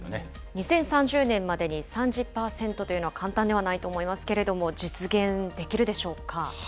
２０３０年までに３０％というのは簡単ではないと思いますけれども、実現できるでしょうか。